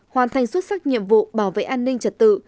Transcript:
hoàn thành xuất sắc nhiệm vụ bảo vệ an ninh trật tự